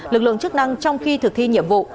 lực lượng chức năng trong khi thực thi nhiệm vụ